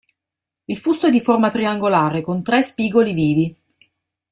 Il fusto è di forma triangolare, con tre spigoli vivi.